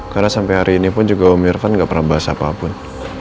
karena sampai hari ini pun juga om irfan gak pernah bahas apapun